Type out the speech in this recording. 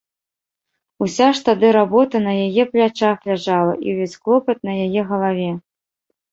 Уся ж тады работа на яе плячах ляжала і ўвесь клопат на яе галаве.